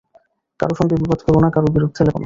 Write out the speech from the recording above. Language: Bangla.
কারও সঙ্গে বিবাদ করো না, কারও বিরুদ্ধে লেগো না।